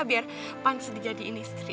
biar panggil jadi istri